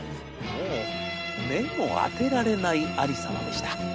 もう目も当てられないありさまでした。